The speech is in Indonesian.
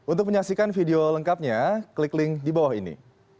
untuk menyaksikan video lengkapnya klik link di bawah ini